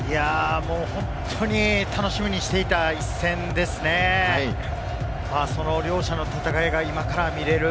本当に楽しみにしていた一戦ですね。両者の戦いが今から見れる。